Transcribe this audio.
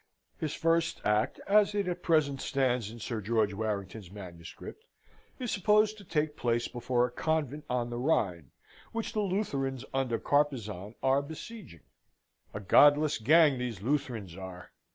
His first act, as it at present stands in Sir George Warrington's manuscript, is supposed to take place before a convent on the Rhine, which the Lutherans, under Carpezan, are besieging. A godless gang these Lutherans are.